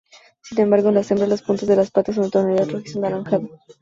Sin embargo, en las hembras, las puntas de las patas son de tonalidad rojizo-anaranjada.